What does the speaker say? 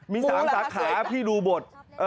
มี๓สาขาพี่ดูบท